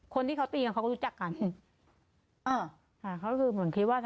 คนที่เขาตีกันเขาก็รู้จักกันอ่าค่ะเขาก็คือเหมือนคิดว่า